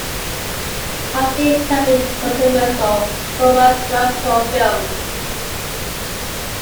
Casting can be controversial for biographical films.